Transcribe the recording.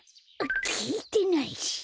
きいてないし。